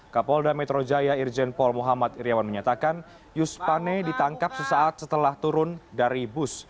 kapolda metro jaya irjen paul muhammad iryawan menyatakan yus pane ditangkap sesaat setelah turun dari bus